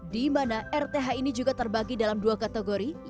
dimana rth ini juga terbagi dalam dua kategori